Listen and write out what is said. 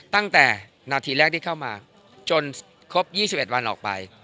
ตั้งแต่นาทีแรกที่เข้ามาจนครบ๒๑วันออกไป